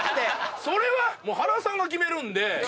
それは原さんが決めるんで。